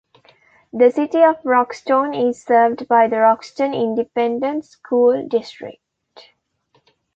The City of Roxton is served by the Roxton Independent School District.